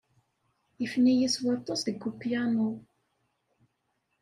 Ifen-iyi s waṭas deg upyanu.